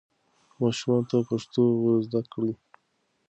ماشومانو ته پښتو ور زده کړئ.